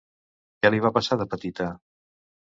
Què li va passar de petita?